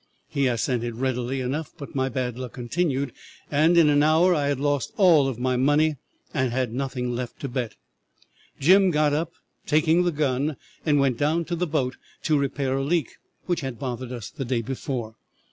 He assented readily enough, but my bad luck continued, and in an hour I had lost all of my money and had nothing left to bet. Jim got up, taking the gun, and went down to the boat to repair a leak which had bothered us the day before.